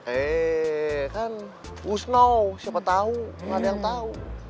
eeeh kan who's know siapa tau gak ada yang tau